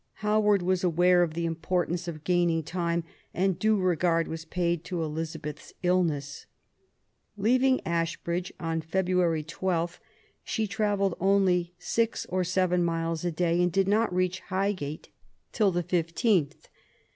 Howard was aware of the importance of gaining time, and due regard was paid to Elizabeth's illness. Leaving Ashbridge on February 12, she travelled only six or seven miles a day, and did not reach Highgate till the 15th.